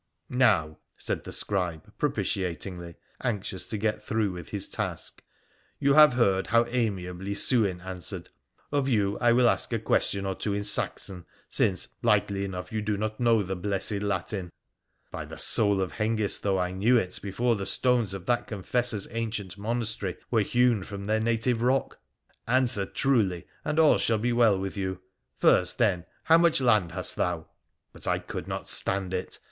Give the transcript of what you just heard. ' Now,' said the scribe propitiatingly, anxious to get through with his task, ' you have heard how amiably Sewin answered. Of you I will ask a question or two in Saxon, since, likely enough, you do not know the blessed Latin.' (By the soul of Hengist, though, I knew it before the stones of that confessor's ancient monastery were hewn from their native rock !)' Answer truly, and all shall be well with you. First, then, how much land hast thou ?' But I could not stand it.